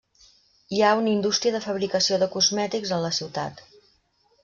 Hi ha una indústria de fabricació de cosmètics en la ciutat.